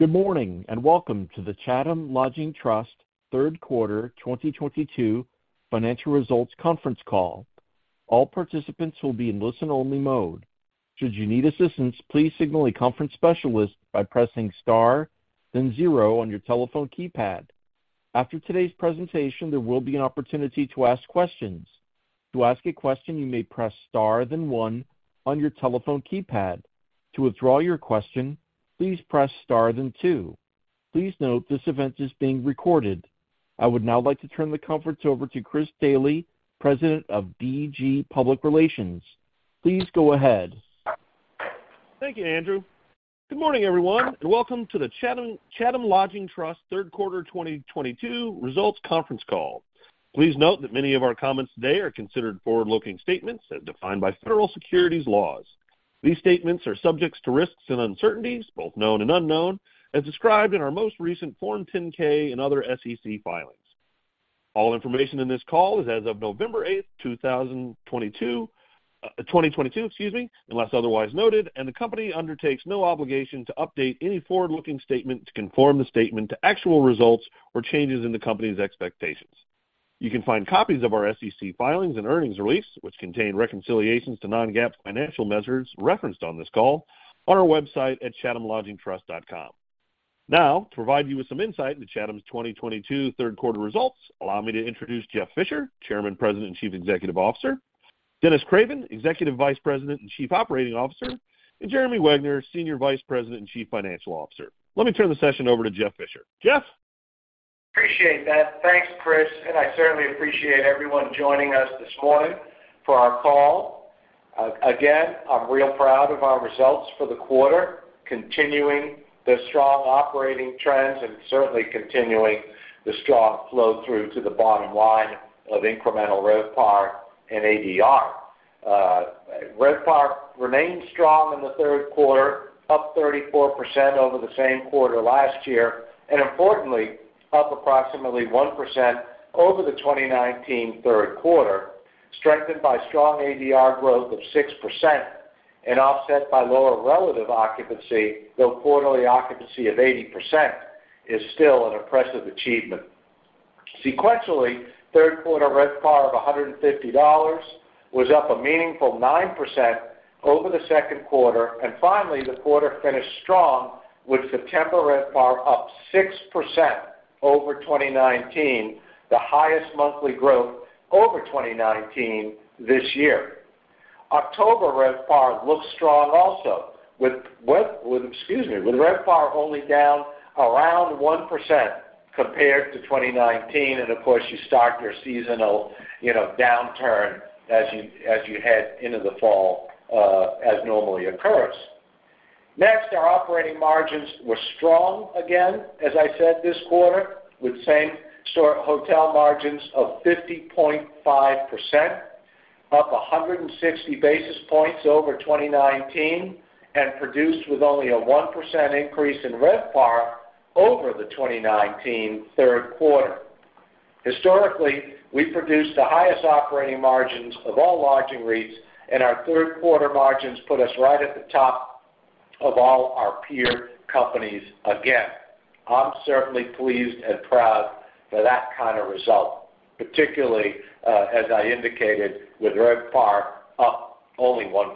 Good morning, welcome to the Chatham Lodging Trust third quarter 2022 financial results conference call. All participants will be in listen-only mode. Should you need assistance, please signal a conference specialist by pressing star then zero on your telephone keypad. After today's presentation, there will be an opportunity to ask questions. To ask a question, you may press star then one on your telephone keypad. To withdraw your question, please press star then two. Please note this event is being recorded. I would now like to turn the conference over to Chris Daly, President of Daly Gray Public Relations. Please go ahead. Thank you, Andrew. Good morning, everyone, welcome to the Chatham Lodging Trust third quarter 2022 results conference call. Please note that many of our comments today are considered forward-looking statements as defined by federal securities laws. These statements are subject to risks and uncertainties, both known and unknown, as described in our most recent Form 10-K and other SEC filings. All information in this call is as of November 8th, 2022, unless otherwise noted. The company undertakes no obligation to update any forward-looking statement to conform the statement to actual results or changes in the company's expectations. You can find copies of our SEC filings and earnings release, which contain reconciliations to non-GAAP financial measures referenced on this call on our website at chathamlodgingtrust.com. Now, to provide you with some insight into Chatham's 2022 third quarter results, allow me to introduce Geoff Fisher, Chairman, President, and Chief Executive Officer, Dennis Craven, Executive Vice President and Chief Operating Officer, and Jeremy Wegner, Senior Vice President and Chief Financial Officer. Let me turn the session over to Geoff Fisher. Geoff? Appreciate that. Thanks, Chris. I certainly appreciate everyone joining us this morning for our call. Again, I'm real proud of our results for the quarter, continuing the strong operating trends and certainly continuing the strong flow-through to the bottom line of incremental RevPAR and ADR. RevPAR remained strong in the third quarter, up 34% over the same quarter last year, and importantly, up approximately 1% over the 2019 third quarter, strengthened by strong ADR growth of 6% and offset by lower relative occupancy, though quarterly occupancy of 80% is still an impressive achievement. Sequentially, third quarter RevPAR of $150 was up a meaningful 9% over the second quarter. Finally, the quarter finished strong with September RevPAR up 6% over 2019, the highest monthly growth over 2019 this year. October RevPAR looks strong also with RevPAR only down around 1% compared to 2019. Of course, you start your seasonal downturn as you head into the fall, as normally occurs. Our operating margins were strong again, as I said, this quarter, with same store hotel margins of 50.5%, up 160 basis points over 2019, and produced with only a 1% increase in RevPAR over the 2019 third quarter. Historically, we produced the highest operating margins of all lodging REITs, and our third quarter margins put us right at the top of all our peer companies again. I'm certainly pleased and proud for that kind of result, particularly, as I indicated, with RevPAR up only 1%.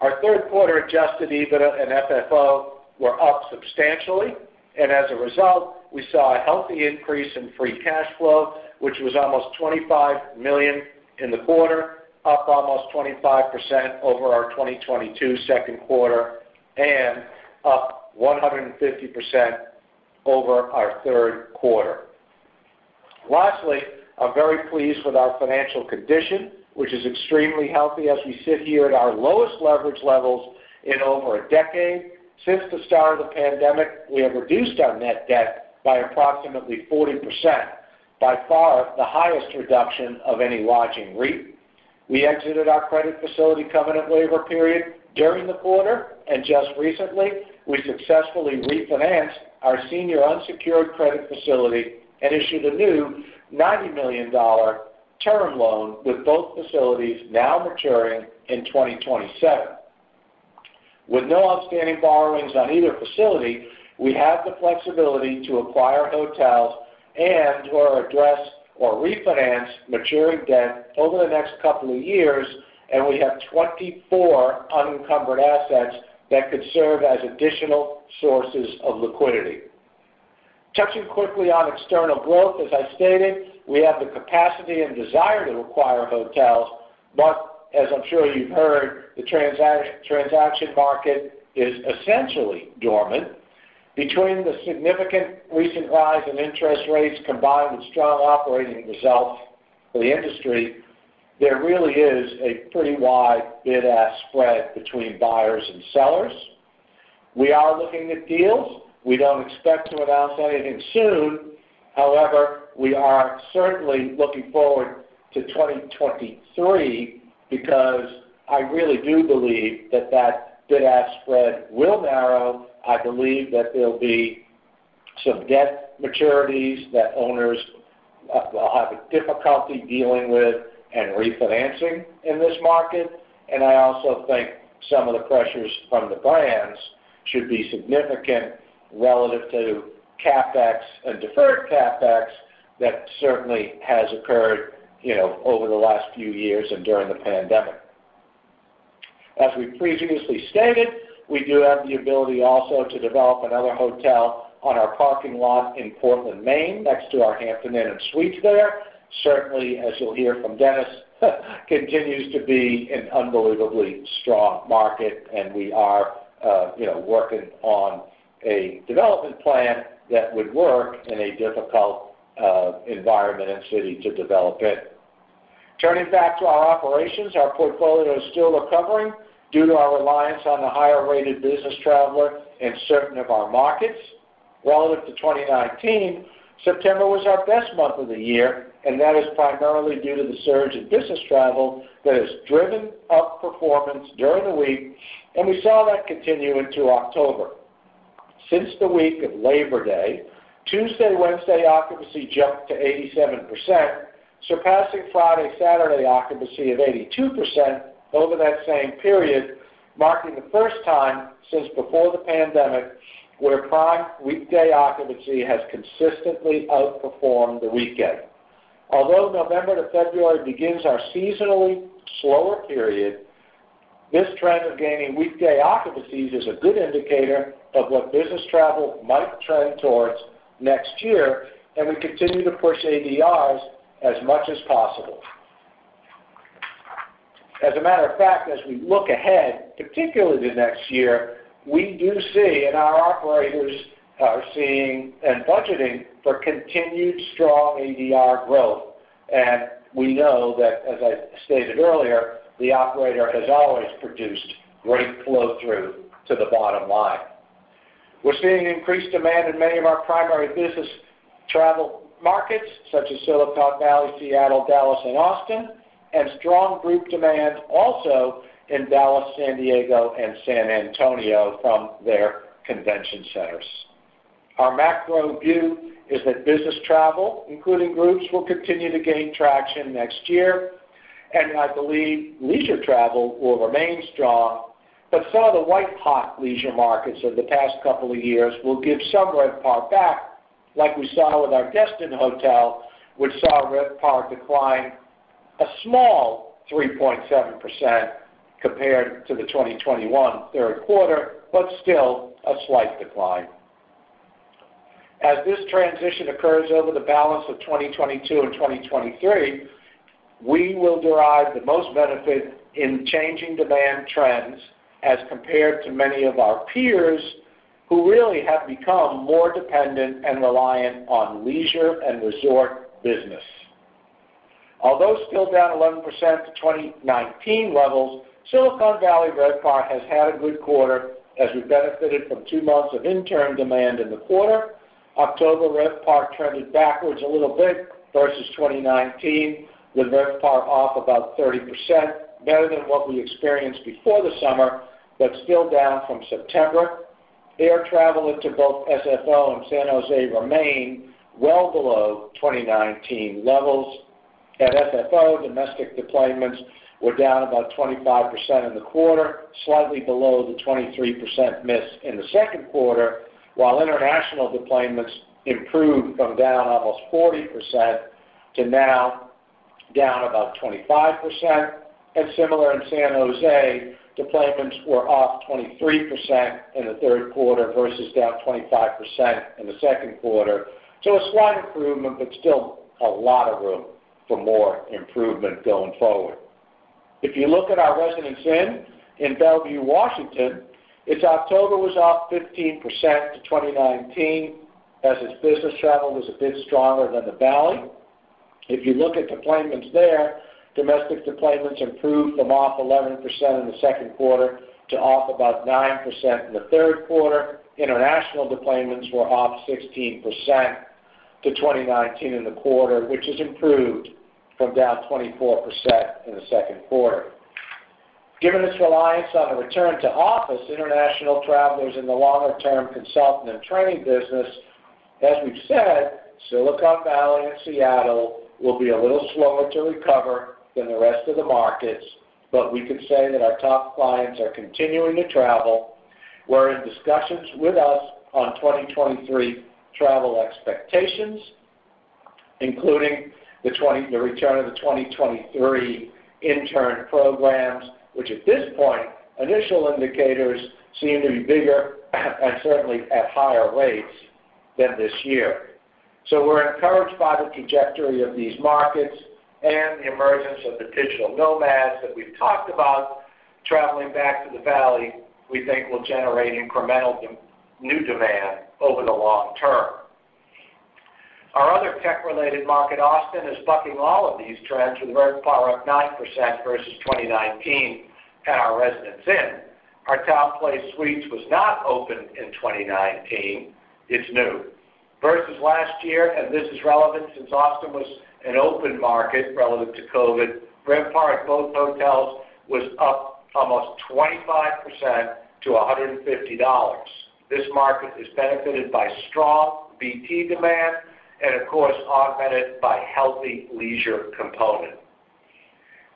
Our third quarter adjusted EBITDA and FFO were up substantially, and as a result, we saw a healthy increase in free cash flow, which was almost $25 million in the quarter, up almost 25% over our 2022 second quarter, and up 150% over our third quarter. I'm very pleased with our financial condition, which is extremely healthy as we sit here at our lowest leverage levels in over a decade. Since the start of the pandemic, we have reduced our net debt by approximately 40%, by far the highest reduction of any lodging REIT. We exited our credit facility covenant waiver period during the quarter, and just recently, we successfully refinanced our senior unsecured credit facility and issued a new $90 million term loan, with both facilities now maturing in 2027. With no outstanding borrowings on either facility, we have the flexibility to acquire hotels and/or address or refinance maturing debt over the next couple of years, and we have 24 unencumbered assets that could serve as additional sources of liquidity. Touching quickly on external growth, as I stated, we have the capacity and desire to acquire hotels. As I'm sure you've heard, the transaction market is essentially dormant. Between the significant recent rise in interest rates combined with strong operating results for the industry, there really is a pretty wide bid-ask spread between buyers and sellers. We are looking at deals. We don't expect to announce anything soon. We are certainly looking forward to 2023 because I really do believe that that bid-ask spread will narrow. I believe that there'll be some debt maturities that owners will have difficulty dealing with and refinancing in this market. I also think some of the pressures from the brands should be significant relative to CapEx and deferred CapEx that certainly has occurred over the last few years and during the pandemic. As we previously stated, we do have the ability also to develop another hotel on our parking lot in Portland, Maine, next to our Hampton Inn & Suites there. Certainly, as you'll hear from Dennis, continues to be an unbelievably strong market, and we are working on a development plan that would work in a difficult environment and city to develop in. Turning back to our operations, our portfolio is still recovering due to our reliance on the higher-rated business traveler in certain of our markets. Relative to 2019, September was our best month of the year, and that is primarily due to the surge in business travel that has driven up performance during the week, and we saw that continue into October. Since the week of Labor Day, Tuesday, Wednesday occupancy jumped to 87%, surpassing Friday, Saturday occupancy of 82% over that same period, marking the first time since before the pandemic where prime weekday occupancy has consistently outperformed the weekend. Although November to February begins our seasonally slower period, this trend of gaining weekday occupancies is a good indicator of what business travel might trend towards next year. We continue to push ADRs as much as possible. As a matter of fact, as we look ahead, particularly to next year, we do see, and our operators are seeing and budgeting for continued strong ADR growth. We know that, as I stated earlier, the operator has always produced great flow-through to the bottom line. We're seeing increased demand in many of our primary business travel markets, such as Silicon Valley, Seattle, Dallas, and Austin, and strong group demand also in Dallas, San Diego, and San Antonio from their convention centers. Our macro view is that business travel, including groups, will continue to gain traction next year. I believe leisure travel will remain strong, but some of the white-hot leisure markets of the past couple of years will give some RevPAR back, like we saw with our Destin hotel, which saw RevPAR decline a small 3.7% compared to the 2021 third quarter, but still a slight decline. As this transition occurs over the balance of 2022 and 2023, we will derive the most benefit in changing demand trends as compared to many of our peers who really have become more dependent and reliant on leisure and resort business. Although still down 11% to 2019 levels, Silicon Valley RevPAR has had a good quarter as we benefited from two months of intern demand in the quarter. October RevPAR trended backwards a little bit versus 2019, with RevPAR off about 30%, better than what we experienced before the summer, but still down from September. Air travel into both SFO and San Jose remain well below 2019 levels. At SFO, domestic deployments were down about 25% in the quarter, slightly below the 23% miss in the second quarter, while international deployments improved from down almost 40% to now down about 25%. Similar in San Jose, deployments were off 23% in the third quarter versus down 25% in the second quarter. A slight improvement, but still a lot of room for more improvement going forward. If you look at our Residence Inn in Bellevue, Washington, its October was off 15% to 2019 as its business travel was a bit stronger than the Valley. If you look at deployments there, domestic deployments improved from off 11% in the second quarter to off about 9% in the third quarter. International deployments were off 16% to 2019 in the quarter, which has improved from down 24% in the second quarter. Given its reliance on a return to office international travelers in the longer-term consulting and training business, as we've said, Silicon Valley and Seattle will be a little slower to recover than the rest of the markets, but we can say that our top clients are continuing to travel, were in discussions with us on 2023 travel expectations, including the return of the 2023 intern programs, which at this point, initial indicators seem to be bigger and certainly at higher rates than this year. We're encouraged by the trajectory of these markets and the emergence of the digital nomads that we've talked about traveling back to the Valley, we think will generate incremental new demand over the long term. Our other tech-related market, Austin, is bucking all of these trends with RevPAR up 9% versus 2019 at our Residence Inn. Our TownePlace Suites was not open in 2019. It's new. Versus last year, this is relevant since Austin was an open market relevant to COVID, RevPAR at both hotels was up almost 25% to $150. This market is benefited by strong BT demand and of course, augmented by healthy leisure component.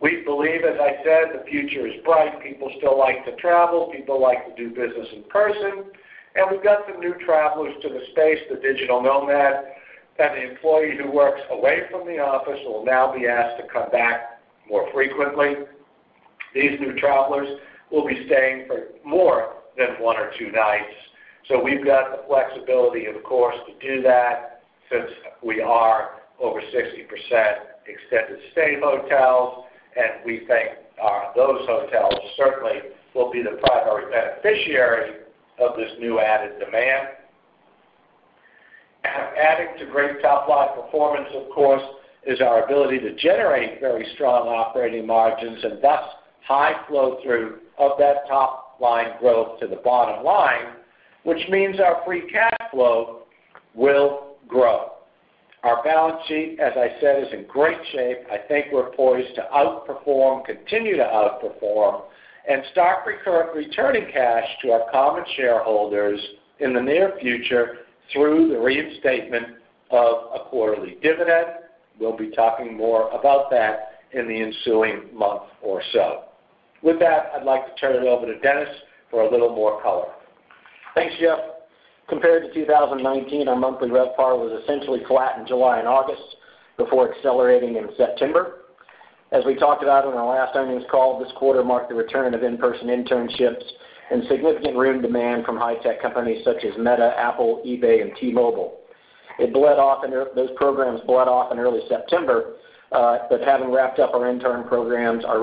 We believe, as I said, the future is bright. People still like to travel, people like to do business in person, and we've got some new travelers to the space, the digital nomad, and the employee who works away from the office will now be asked to come back more frequently. These new travelers will be staying for more than one or two nights. We've got the flexibility, of course, to do that since we are over 60% extended stay hotels, and we think those hotels certainly will be the primary beneficiary of this new added demand. Adding to great top-line performance, of course, is our ability to generate very strong operating margins and thus high flow-through of that top-line growth to the bottom line, which means our free cash flow will grow. Our balance sheet, as I said, is in great shape. I think we're poised to outperform, continue to outperform, and start returning cash to our common shareholders in the near future through the reinstatement of a quarterly dividend. We'll be talking more about that in the ensuing month or so. With that, I'd like to turn it over to Dennis for a little more color. Thanks, Jeff. Compared to 2019, our monthly RevPAR was essentially flat in July and August before accelerating in September. As we talked about on our last earnings call, this quarter marked the return of in-person internships and significant room demand from high-tech companies such as Meta, Apple, eBay, and T-Mobile. Those programs bled off in early September, but having wrapped up our intern programs, our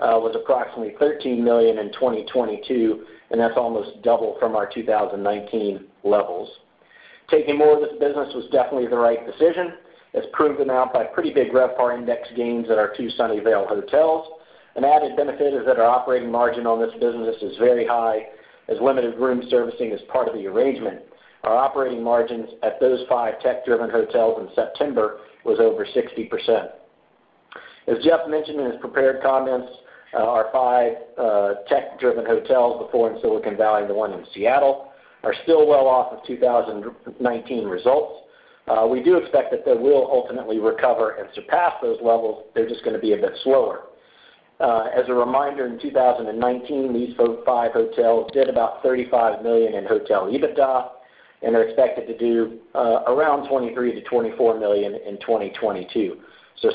revenue was approximately $13 million in 2022, and that's almost double from our 2019 levels. Taking more of this business was definitely the right decision. That's proven out by pretty big RevPAR index gains at our two Sunnyvale hotels. An added benefit is that our operating margin on this business is very high, as limited room servicing is part of the arrangement. Our operating margins at those five tech-driven hotels in September was over 60%. As Jeff mentioned in his prepared comments, our five tech-driven hotels, the four in Silicon Valley and the one in Seattle, are still well off of 2019 results. We do expect that they will ultimately recover and surpass those levels. They're just going to be a bit slower. As a reminder, in 2019, these five hotels did about $35 million in hotel EBITDA, and they're expected to do around $23 million-$24 million in 2022.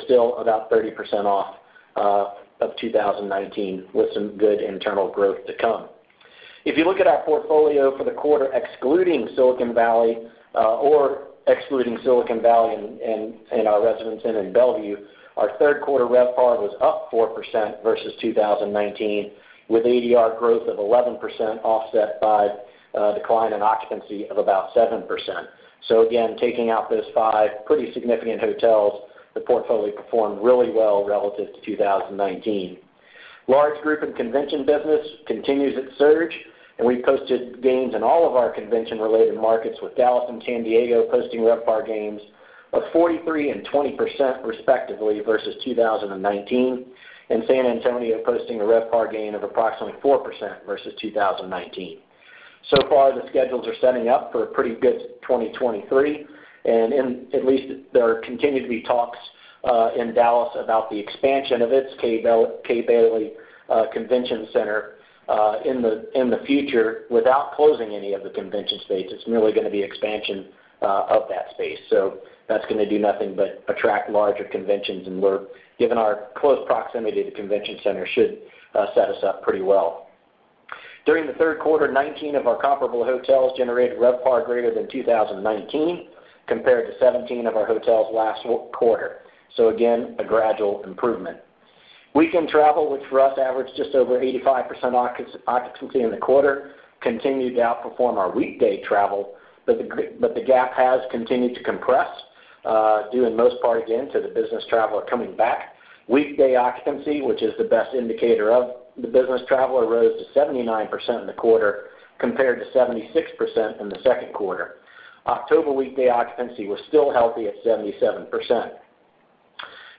Still about 30% off of 2019 with some good internal growth to come. If you look at our portfolio for the quarter excluding Silicon Valley or excluding Silicon Valley and our Residence Inn in Bellevue, our third quarter RevPAR was up 4% versus 2019, with ADR growth of 11% offset by a decline in occupancy of about 7%. Again, taking out those five pretty significant hotels, the portfolio performed really well relative to 2019. Large group and convention business continues its surge, and we've posted gains in all of our convention-related markets, with Dallas and San Diego posting RevPAR gains of 43% and 20% respectively versus 2019, and San Antonio posting a RevPAR gain of approximately 4% versus 2019. Far, the schedules are setting up for a pretty good 2023, and at least there continue to be talks in Dallas about the expansion of its Kay Bailey Hutchison Convention Center in the future without closing any of the convention space. It's merely going to be expansion of that space. That's going to do nothing but attract larger conventions, and given our close proximity to the convention center, should set us up pretty well. During the third quarter, 19 of our comparable hotels generated RevPAR greater than 2019, compared to 17 of our hotels last quarter. Again, a gradual improvement. Weekend travel, which for us averaged just over 85% occupancy in the quarter, continued to outperform our weekday travel, but the gap has continued to compress, due in most part, again, to the business traveler coming back. Weekday occupancy, which is the best indicator of the business traveler, rose to 79% in the quarter, compared to 76% in the second quarter. October weekday occupancy was still healthy at 77%.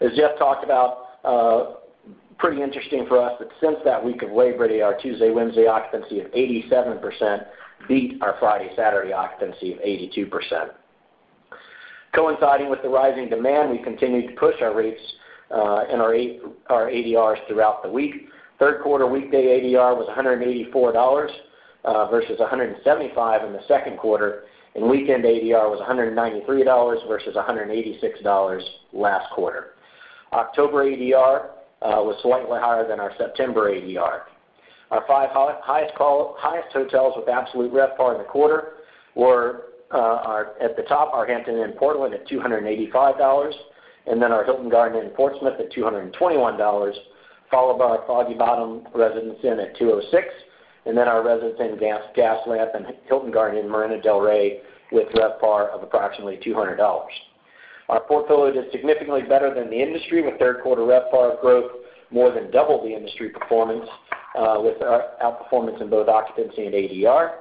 As Jeff talked about, pretty interesting for us that since that week of Labor Day, our Tuesday, Wednesday occupancy of 87% beat our Friday, Saturday occupancy of 82%. Coinciding with the rising demand, we continued to push our rates and our ADRs throughout the week. Third quarter weekday ADR was $184 versus $175 in the second quarter, and weekend ADR was $193 versus $186 last quarter. October ADR was slightly higher than our September ADR. Our five highest hotels with absolute RevPAR in the quarter were at the top, our Hampton Inn Portland at $285, and then our Hilton Garden Inn Portsmouth at $221, followed by our Foggy Bottom Residence Inn at $206, and then our Residence Inn Gaslamp and Hilton Garden Inn Marina del Rey with RevPAR of approximately $200. Our portfolio did significantly better than the industry, with third-quarter RevPAR growth more than double the industry performance, with outperformance in both occupancy and ADR.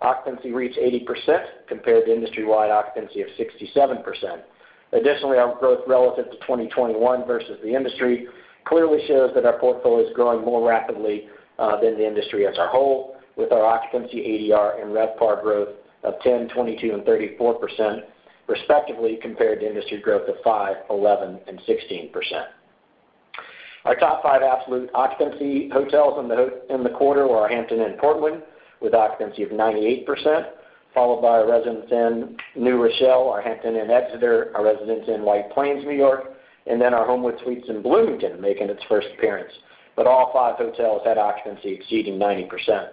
Occupancy reached 80%, compared to industry-wide occupancy of 67%. Our growth relative to 2021 versus the industry clearly shows that our portfolio is growing more rapidly than the industry as a whole, with our occupancy ADR and RevPAR growth of 10%, 22%, and 34%, respectively, compared to industry growth of 5%, 11%, and 16%. Our top five absolute occupancy hotels in the quarter were our Hampton Inn Portland, with occupancy of 98%, followed by our Residence Inn New Rochelle, our Hampton Inn Exeter, our Residence Inn White Plains, New York, and then our Homewood Suites in Bloomington, making its first appearance. All five hotels had occupancy exceeding 90%.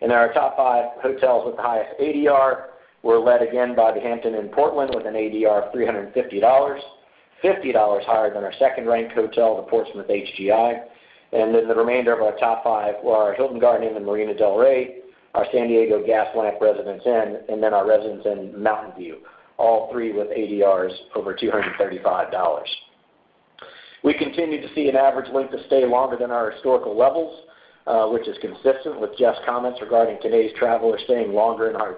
In our top five hotels with the highest ADR, we're led again by the Hampton Inn Portland, with an ADR of $350, $50 higher than our second-ranked hotel, the Portsmouth HGI. The remainder of our top five were our Hilton Garden Inn in Marina del Rey, our San Diego Gaslamp Residence Inn, and then our Residence Inn Mountain View, all three with ADRs over $235. We continue to see an average length of stay longer than our historical levels, which is consistent with Jeff's comments regarding today's traveler staying longer in our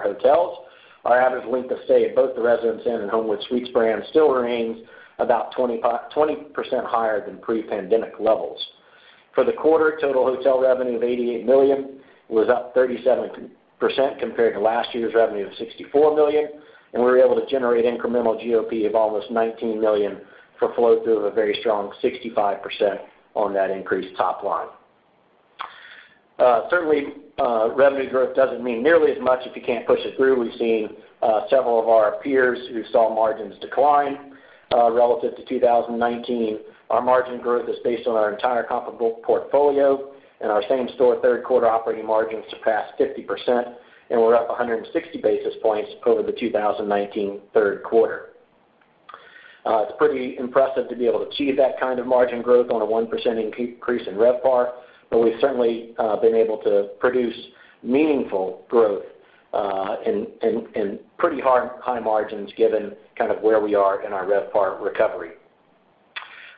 hotels. Our average length of stay at both the Residence Inn and Homewood Suites brands still remains about 20% higher than pre-pandemic levels. For the quarter, total hotel revenue of $88 million was up 37% compared to last year's revenue of $64 million, and we were able to generate incremental GOP of almost $19 million for flow through of a very strong 65% on that increased top line. Certainly, revenue growth doesn't mean nearly as much if you can't push it through. We've seen several of our peers who saw margins decline relative to 2019. Our margin growth is based on our entire comparable portfolio, and our same-store third-quarter operating margins surpassed 50%, and we're up 160 basis points over the 2019 third quarter. It's pretty impressive to be able to achieve that kind of margin growth on a 1% increase in RevPAR. We've certainly been able to produce meaningful growth in pretty high margins, given where we are in our RevPAR recovery.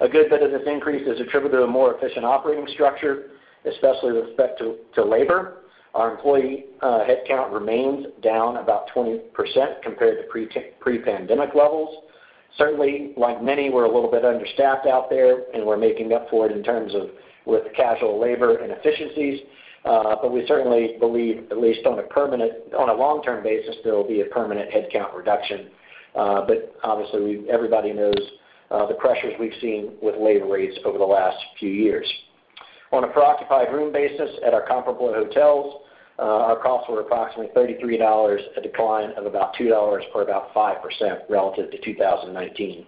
A good bit of this increase is attributed to a more efficient operating structure, especially with respect to labor. Our employee headcount remains down about 20% compared to pre-pandemic levels. Certainly, like many, we're a little bit understaffed out there. We're making up for it in terms of with casual labor and efficiencies. We certainly believe, at least on a long-term basis, there will be a permanent headcount reduction. Obviously, everybody knows the pressures we've seen with labor rates over the last few years. On a per occupied room basis at our comparable hotels, our costs were approximately $33, a decline of about $2, or about 5% relative to 2019.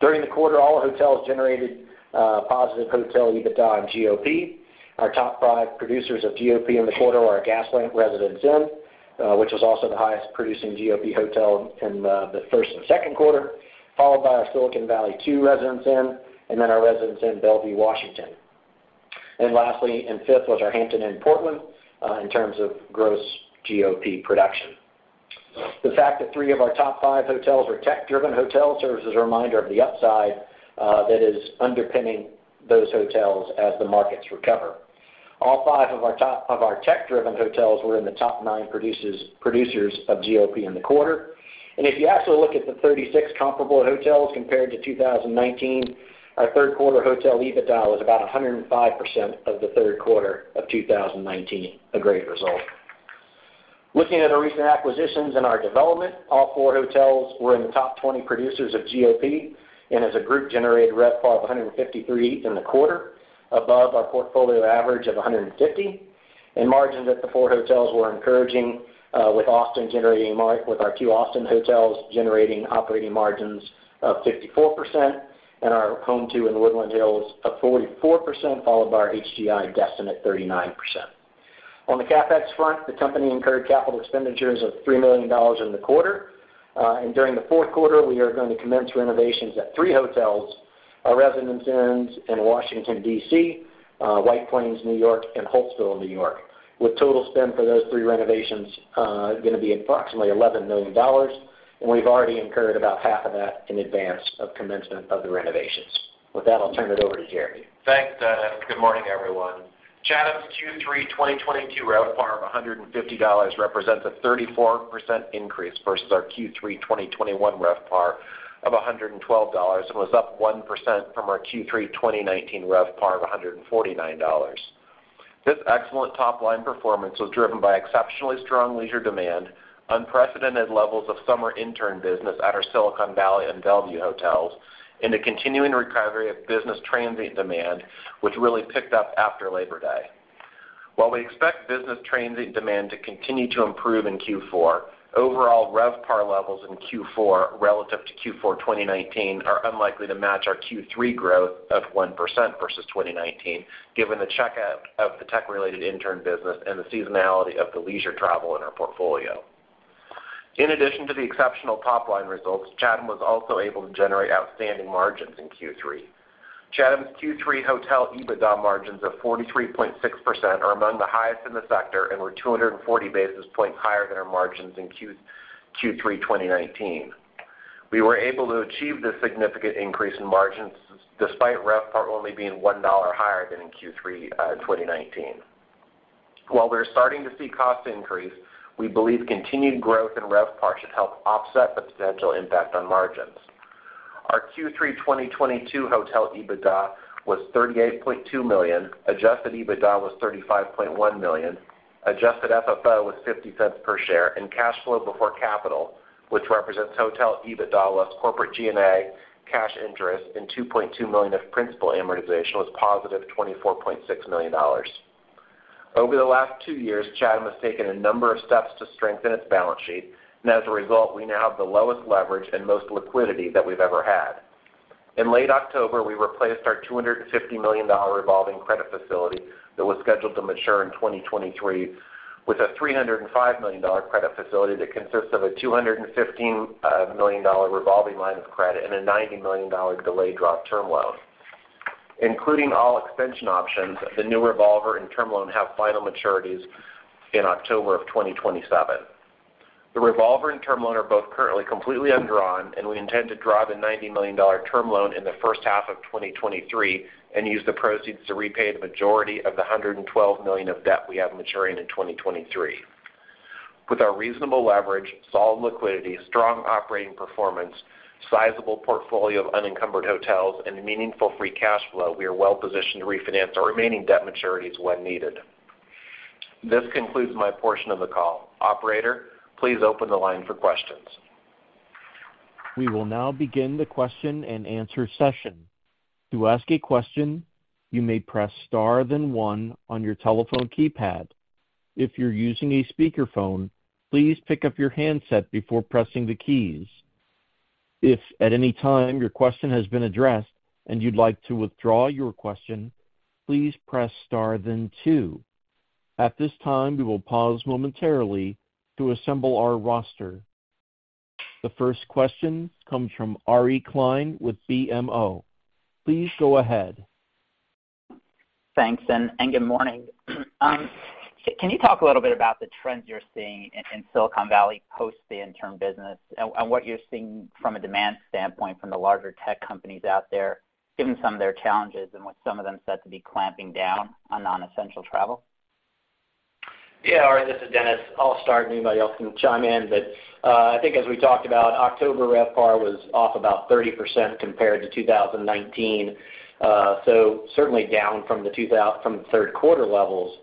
During the quarter, all our hotels generated positive hotel EBITDA and GOP. Our top five producers of GOP in the quarter were our Gaslamp Residence Inn, which was also the highest producing GOP hotel in the first and second quarter, followed by our Silicon Valley II Residence Inn, and then our Residence Inn Bellevue, Washington. Lastly, in fifth, was our Hampton Inn Portland in terms of gross GOP production. The fact that three of our top five hotels are tech-driven hotels serves as a reminder of the upside that is underpinning those hotels as the markets recover. All five of our tech-driven hotels were in the top nine producers of GOP in the quarter. If you actually look at the 36 comparable hotels compared to 2019, our third quarter hotel EBITDA was about 105% of the third quarter of 2019, a great result. Looking at our recent acquisitions and our development, all four hotels were in the top 20 producers of GOP, and as a group, generated RevPAR of $153 in the quarter, above our portfolio average of $150. Margins at the four hotels were encouraging, with our two Austin hotels generating operating margins of 54%, and our Home2 in Woodland Hills of 44%, followed by our HGI Destin at 39%. On the CapEx front, the company incurred capital expenditures of $3 million in the quarter. During the fourth quarter, we are going to commence renovations at three hotels, our Residence Inns in Washington, D.C., White Plains, New York, and Hauppauge, New York, with total spend for those three renovations going to be approximately $11 million, and we've already incurred about half of that in advance of commencement of the renovations. With that, I'll turn it over to Jerry. Thanks, Dennis. Good morning, everyone. Chatham's Q3 2022 RevPAR of $150 represents a 34% increase versus our Q3 2021 RevPAR of $112 and was up 1% from our Q3 2019 RevPAR of $149. This excellent top-line performance was driven by exceptionally strong leisure demand, unprecedented levels of summer intern business at our Silicon Valley and Bellevue hotels, and a continuing recovery of business transient demand, which really picked up after Labor Day. While we expect business transient demand to continue to improve in Q4, overall RevPAR levels in Q4 relative to Q4 2019 are unlikely to match our Q3 growth of 1% versus 2019, given the check-out of the tech-related intern business and the seasonality of the leisure travel in our portfolio. In addition to the exceptional top-line results, Chatham was also able to generate outstanding margins in Q3. Chatham's Q3 hotel EBITDA margins of 43.6% are among the highest in the sector and were 240 basis points higher than our margins in Q3 2019. We were able to achieve this significant increase in margins despite RevPAR only being $1 higher than in Q3 2019. While we're starting to see costs increase, we believe continued growth in RevPAR should help offset the potential impact on margins. Our Q3 2022 hotel EBITDA was $38.2 million, adjusted EBITDA was $35.1 million, adjusted FFO was $0.50 per share, and cash flow before capital, which represents hotel EBITDA less corporate G&A, cash interest, and $2.2 million of principal amortization, was positive $24.6 million. Over the last two years, Chatham has taken a number of steps to strengthen its balance sheet, and as a result, we now have the lowest leverage and most liquidity that we've ever had. In late October, we replaced our $250 million revolving credit facility that was scheduled to mature in 2023 with a $305 million credit facility that consists of a $215 million revolving line of credit and a $90 million delayed draw term loan. Including all extension options, the new revolver and term loan have final maturities in October of 2027. The revolver and term loan are both currently completely undrawn, and we intend to draw the $90 million term loan in the first half of 2023 and use the proceeds to repay the majority of the $112 million of debt we have maturing in 2023. With our reasonable leverage, solid liquidity, strong operating performance, sizable portfolio of unencumbered hotels, and meaningful free cash flow, we are well positioned to refinance our remaining debt maturities when needed. This concludes my portion of the call. Operator, please open the line for questions. We will now begin the question-and-answer session. To ask a question, you may press star then one on your telephone keypad. If you're using a speakerphone, please pick up your handset before pressing the keys. If at any time your question has been addressed and you'd like to withdraw your question, please press star then two. At this time, we will pause momentarily to assemble our roster. The first question comes from Ari Klein with BMO Capital Markets. Please go ahead. Thanks, and good morning. Can you talk a little bit about the trends you're seeing in Silicon Valley post the intern business and what you're seeing from a demand standpoint from the larger tech companies out there, given some of their challenges and with some of them said to be clamping down on non-essential travel? Yeah, Ari, this is Dennis. I'll start, and anybody else can chime in. I think as we talked about, October RevPAR was off about 30% compared to 2019, certainly down from the third-quarter levels.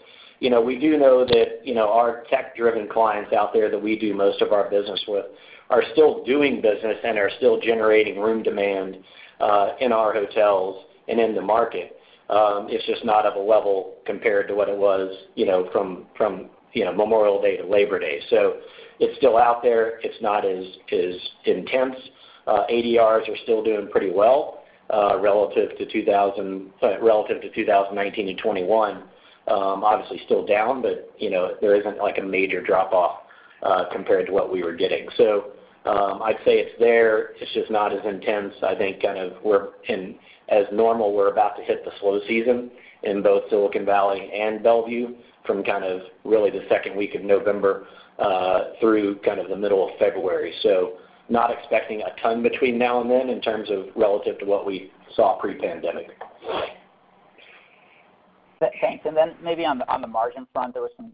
We do know that our tech-driven clients out there that we do most of our business with are still doing business and are still generating room demand in our hotels and in the market. It's just not at the level compared to what it was from Memorial Day to Labor Day. It's still out there. It's not as intense. ADRs are still doing pretty well relative to 2019 and 2021. Obviously, still down, but there isn't a major drop-off compared to what we were getting. I'd say it's there. It's just not as intense. I think as normal, we're about to hit the slow season in both Silicon Valley and Bellevue from really the second week of November through the middle of February. Not expecting a ton between now and then in terms of relative to what we saw pre-pandemic. Thanks. Then maybe on the margin front, there was some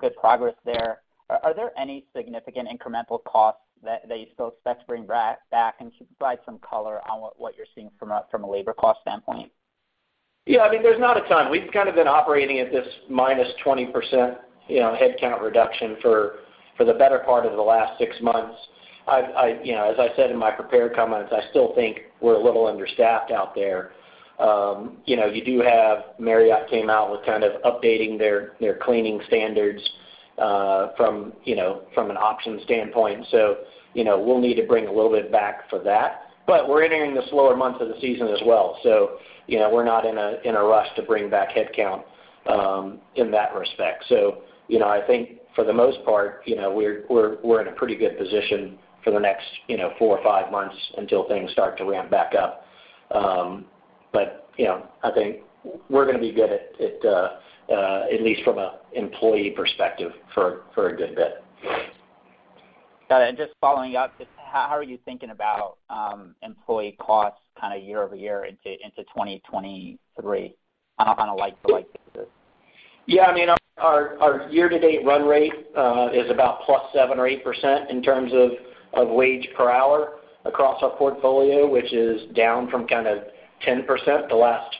good progress there. Are there any significant incremental costs that you still expect to bring back? Could you provide some color on what you're seeing from a labor cost standpoint? Yeah, there's not a ton. We've been operating at this minus 20% headcount reduction for the better part of the last six months. As I said in my prepared comments, I still think we're a little understaffed out there. You do have Marriott came out with updating their cleaning standards from an options standpoint. We'll need to bring a little bit back for that. We're entering the slower months of the season as well, we're not in a rush to bring back headcount in that respect. I think for the most part, we're in a pretty good position for the next four or five months until things start to ramp back up. I think we're going to be good at least from an employee perspective for a good bit. Got it. Just following up, just how are you thinking about employee costs year-over-year into 2023 on a like-to-like basis? Our year-to-date run rate is about +7% or +8% in terms of wage per hour across our portfolio, which is down from 10% the last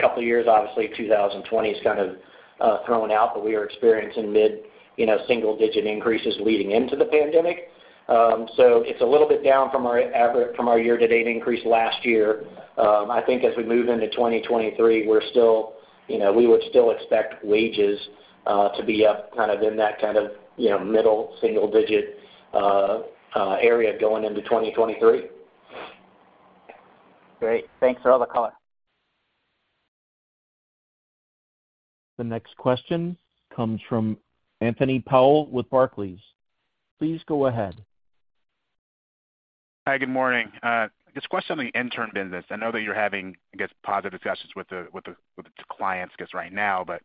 couple of years. Obviously, 2020 is kind of thrown out, but we were experiencing mid-single-digit increases leading into the pandemic. It's a little bit down from our year-to-date increase last year. I think as we move into 2023, we would still expect wages to be up in that middle single-digit area going into 2023. Great. Thanks for all the color. The next question comes from Anthony Powell with Barclays. Please go ahead. Hi, good morning. Just a question on the intern business. I know that you're having, I guess, positive discussions with the clients, I guess right now, but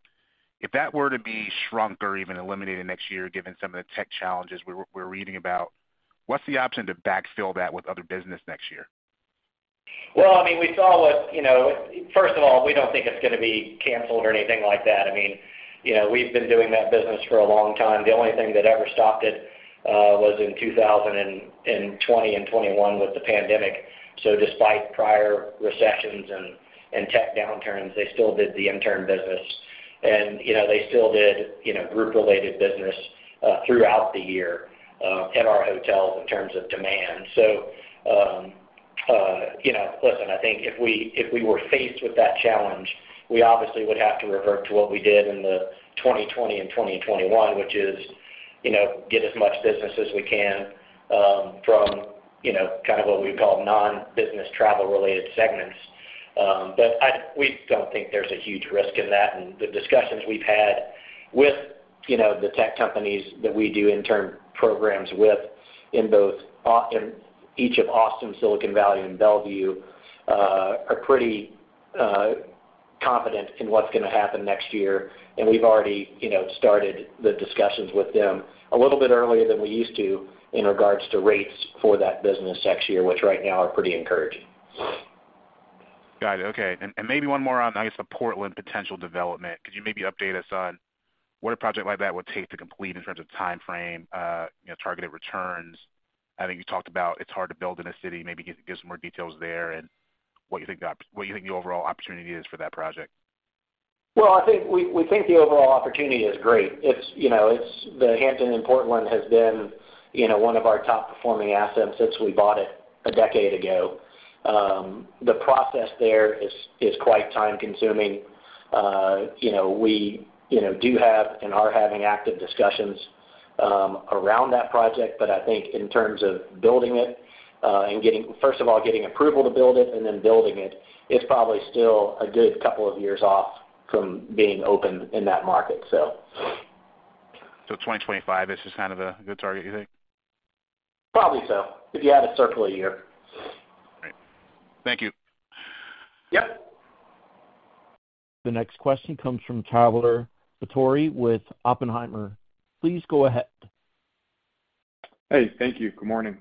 if that were to be shrunk or even eliminated next year, given some of the tech challenges we're reading about, what's the option to backfill that with other business next year? First of all, we don't think it's going to be canceled or anything like that. We've been doing that business for a long time. The only thing that ever stopped it was in 2020 and 2021 with the pandemic. Despite prior recessions and tech downturns, they still did the intern business. They still did group-related business throughout the year in our hotels in terms of demand. I think if we were faced with that challenge, we obviously would have to revert to what we did in the 2020 and 2021, which is get as much business as we can from what we call non-business travel related segments. We don't think there's a huge risk in that. The discussions we've had with the tech companies that we do intern programs with in each of Austin, Silicon Valley, and Bellevue, are pretty confident in what's going to happen next year, and we've already started the discussions with them a little bit earlier than we used to in regards to rates for that business next year, which right now are pretty encouraging. Got it. Okay. Maybe one more on, I guess, the Portland potential development. Could you maybe update us on what a project like that would take to complete in terms of timeframe, targeted returns? I think you talked about it's hard to build in a city. Maybe give some more details there and what you think the overall opportunity is for that project. We think the overall opportunity is great. The Hampton Inn in Portland has been one of our top-performing assets since we bought it a decade ago. The process there is quite time-consuming. We do have and are having active discussions around that project. I think in terms of building it and first of all, getting approval to build it and then building it's probably still a good couple of years off from being open in that market. 2025 is just kind of a good target, you think? Probably so. If you add a cycle a year. All right. Thank you. Yep. The next question comes from Tyler Batory with Oppenheimer. Please go ahead. Hey, thank you. Good morning.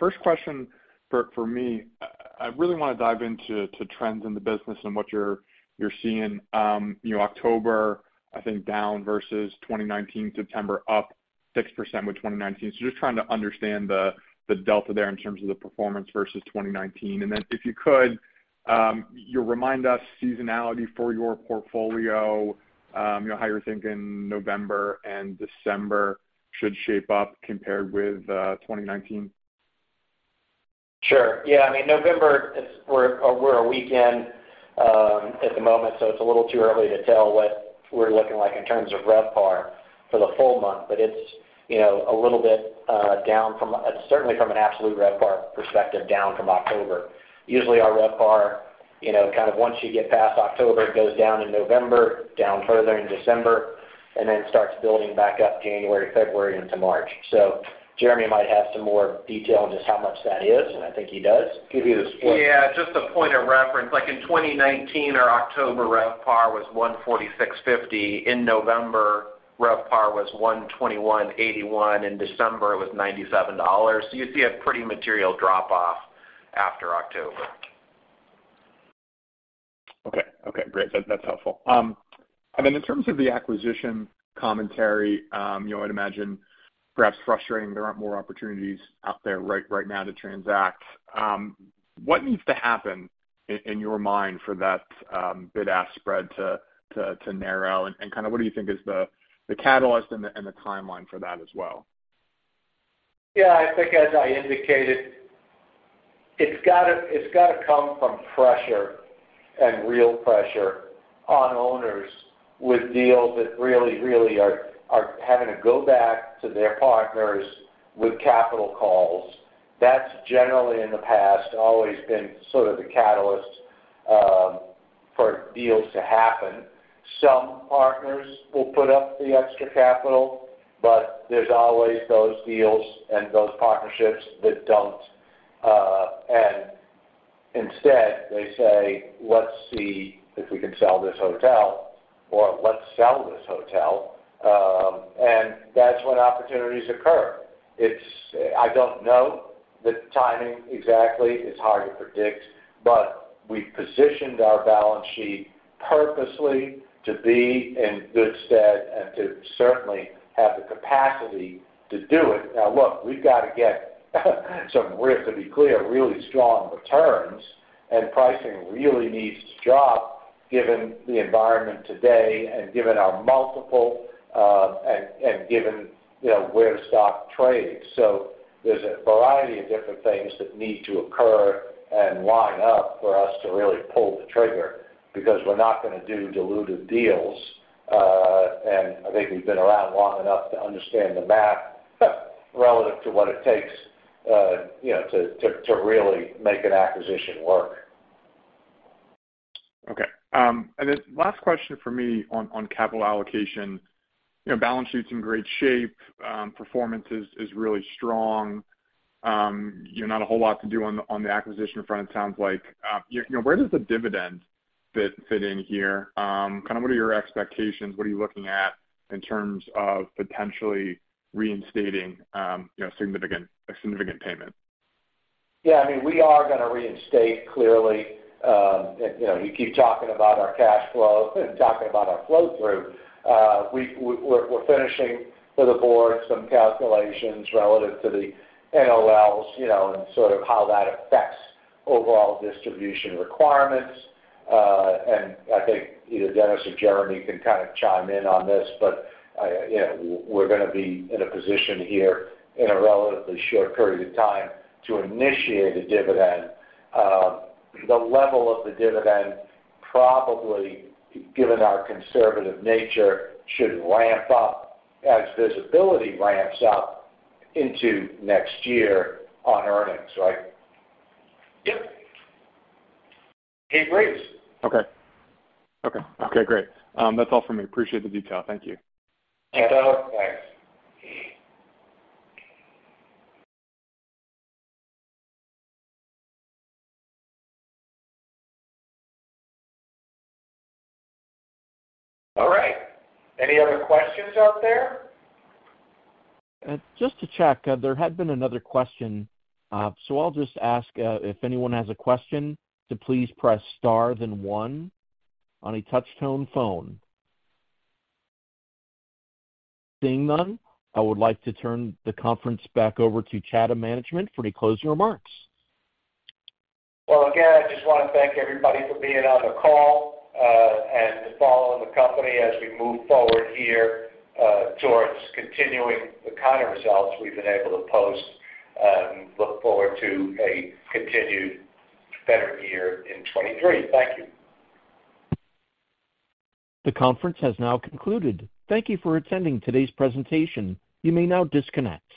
First question for me, I really want to dive into trends in the business and what you're seeing. October, I think, down versus 2019, September up 6% with 2019. Just trying to understand the delta there in terms of the performance versus 2019. If you could, remind us seasonality for your portfolio, how you're thinking November and December should shape up compared with 2019. Sure. Yeah, November, we're a week in at the moment, it's a little too early to tell what we're looking like in terms of RevPAR for the full month. It's a little bit down, certainly from an absolute RevPAR perspective, down from October. Usually, our RevPAR, kind of once you get past October, it goes down in November, down further in December, starts building back up January, February into March. Jeremy might have some more detail on just how much that is, and I think he does. Give you the split. Yeah, just a point of reference, like in 2019, our October RevPAR was $146.50. In November, RevPAR was $121.81. In December, it was $97. You see a pretty material drop-off after October. Okay. Great. That's helpful. In terms of the acquisition commentary, I'd imagine perhaps frustrating there aren't more opportunities out there right now to transact. What needs to happen, in your mind, for that bid-ask spread to narrow, and what do you think is the catalyst and the timeline for that as well? I think as I indicated, it's got to come from pressure, and real pressure on owners with deals that really are having to go back to their partners with capital calls. That's generally, in the past, always been sort of the catalyst for deals to happen. Some partners will put up the extra capital, but there's always those deals and those partnerships that don't. Instead they say, "Let's see if we can sell this hotel," or, "Let's sell this hotel." That's when opportunities occur. I don't know the timing exactly. It's hard to predict, but we've positioned our balance sheet purposely to be in good stead and to certainly have the capacity to do it. Now, look, we've got to get some, we have to be clear, really strong returns, and pricing really needs to drop given the environment today and given our multiple, and given where stock trades. There's a variety of different things that need to occur and line up for us to really pull the trigger, because we're not going to do dilutive deals. I think we've been around long enough to understand the math relative to what it takes to really make an acquisition work. Okay. Last question from me on capital allocation. Balance sheet's in great shape. Performance is really strong. Not a whole lot to do on the acquisition front, it sounds like. Where does the dividend fit in here? Kind of what are your expectations? What are you looking at in terms of potentially reinstating a significant payment? Yeah, we are going to reinstate clearly. You keep talking about our cash flow and talking about our flow through. We're finishing for the board some calculations relative to the NOLs, and sort of how that affects overall distribution requirements. I think either Dennis or Jeremy can kind of chime in on this, but we're going to be in a position here in a relatively short period of time to initiate a dividend. The level of the dividend probably, given our conservative nature, should ramp up as visibility ramps up into next year on earnings, right? Yep. Okay, great. Okay, great. That's all for me. Appreciate the detail. Thank you. Yeah. Thanks. All right. Any other questions out there? Just to check, there had been another question. I'll just ask if anyone has a question to please press star then one on a touch-tone phone. Seeing none, I would like to turn the conference back over to Chatham management for any closing remarks. Well, again, I just want to thank everybody for being on the call. To follow the company as we move forward here towards continuing the kind of results we've been able to post and look forward to a continued better year in 2023. Thank you. The conference has now concluded. Thank you for attending today's presentation. You may now disconnect.